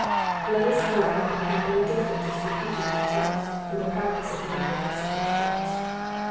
Let us learn how unhappily diflferent is the teaching of Christ from the practice of many professing Christians.